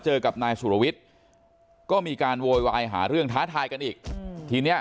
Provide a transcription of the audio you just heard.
เจอกับนายสุรวิทย์ก็มีการโวยวายหาเรื่องท้าทายกันอีกทีเนี้ย